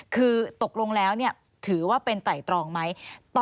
คือตกลงแล้วถือว่าเป็นไต่ตรองไหม